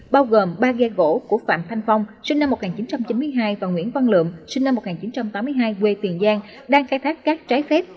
bao gồm ba ghe gỗ của phạm thanh phong sinh năm một nghìn chín trăm chín mươi hai và nguyễn văn lượm sinh năm một nghìn chín trăm tám mươi hai quê tiền giang đang khai thác cát trái phép